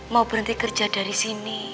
mau berhenti kerja dari sini